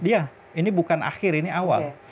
iya ini bukan akhir ini awal